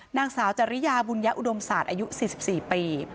นางสาวจริยาบุญยะอุดมศาสตร์อายุ๔๔ปี